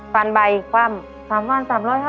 ฟันใบอีกความ๓วัน๓๕๐